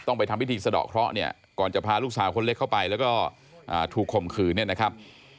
ต้องไปทำวิธีสะดอกเคราะห์ก่อนจะพาลูกสาวคนเล็กเข้าไปแล้วก็ถูกคมคืนนี่นะครับ